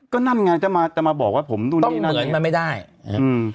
ก็นั่นไงจะมาจะมาบอกว่าผมนู่นนี่นั่นเหมือนมันไม่ได้อืม